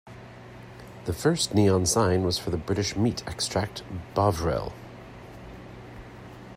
The first Neon sign was for the British meat extract Bovril.